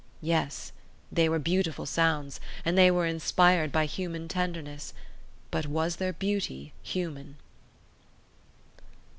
Yes, they were beautiful sounds, and they were inspired by human tenderness; but was their beauty human?